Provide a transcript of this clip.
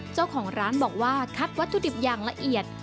เจ้าของร้านบอกว่าคัดวัตถุดิบอย่างละเอียด